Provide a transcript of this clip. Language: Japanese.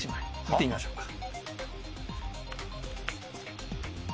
見てみましょうか。